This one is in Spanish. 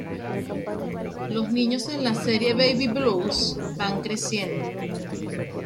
Los niños en la serie Baby Blues, van creciendo.